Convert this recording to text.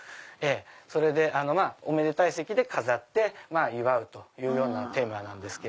それでおめでたい席で飾って祝うというテーマなんです。